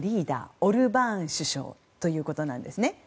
オルバーン首相ということなんです。